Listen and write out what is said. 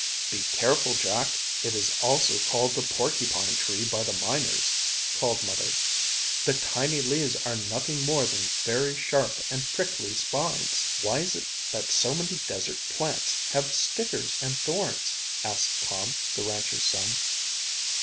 "Be careful, Jack, it is also called the porcupine tree by the miners," called Mother, "the tiny leaves are nothing more than very sharp and prickly spines." "Why is it that so many desert plants have stickers and thorns?" asked Tom, the rancher's son.